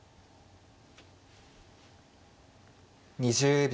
２０秒。